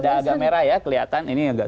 ada agak merah ya kelihatan ini agak